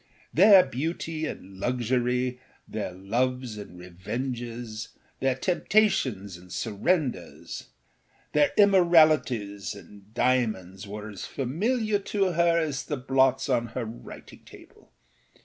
Their beauty and luxury, their loves and revenges, their temptations and surrenders, their immoralities and diamonds were as familiar to her as the blots on her writing table.